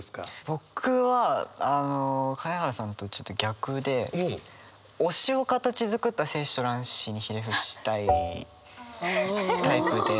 僕はあの金原さんとちょっと逆で推しを形作った精子と卵子にひれ伏したいタイプで。